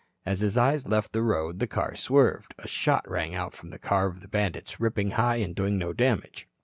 As his eyes left the road, the car swerved. A shot rang out from the car of the bandits, ripping high and doing no damage.